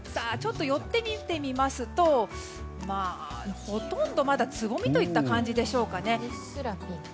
寄ってみますとほとんどまだ、つぼみといった感じでしょうかね。